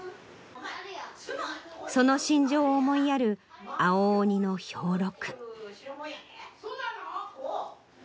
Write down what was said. その心情を思いやる青鬼の兵六。